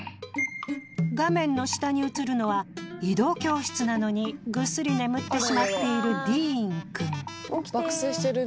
画面の下に映るのは移動教室なのにグッスリ眠ってしまっているディーン君。